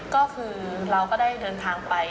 ก็คือเราก็ได้เดินทางไป